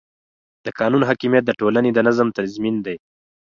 د قانون حاکمیت د ټولنې د نظم تضمین دی